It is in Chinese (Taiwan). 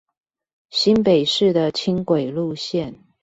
新北市的輕軌路線